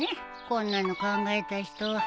こんなの考えた人は。